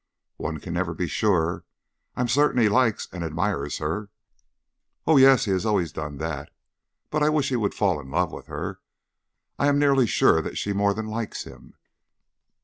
"One can never be sure. I am certain he likes and admires her." "Oh, yes, he always has done that. But I wish he would fall in love with her. I am nearly sure that she more than likes him."